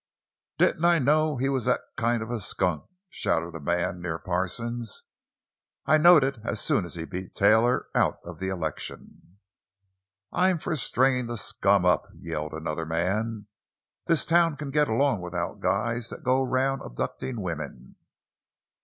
"Didn't I know he was that kind of a skunk!" shouted a man near Parsons. "I knowed it as soon as he beat Taylor out of the election!" "I'm for stringin' the scum up!" yelled another man. "This town can git along without guys that go around abductin' wimmen!"